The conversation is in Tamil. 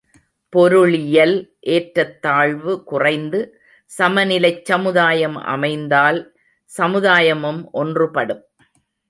பொருளியல் ஏற்றத்தாழ்வு குறைந்து சமநிலைச் சமுதாயம் அமைந்தால் சமுதாயமும் ஒன்றுபடும்.